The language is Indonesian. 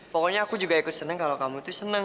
pokoknya aku juga ikut seneng kalau kamu tuh seneng